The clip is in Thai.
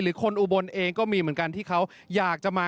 คนอุบลเองก็มีเหมือนกันที่เขาอยากจะมา